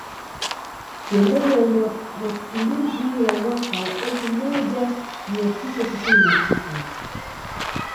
Kiongozi wa mapinduzi wa mwaka wa elfu moja mia tisa sitini na sita